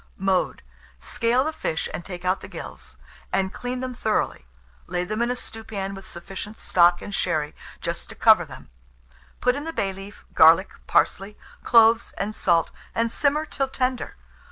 Mode. Scale the fish and take out the gills, and clean them thoroughly; lay them in a stewpan with sufficient stock and sherry just to cover them. Put in the bay leaf, garlic, parsley, cloves, and salt, and simmer till tender.